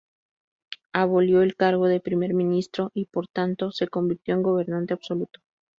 Abolió el cargo de primer ministro y, por tanto, se convirtió en gobernante absoluto.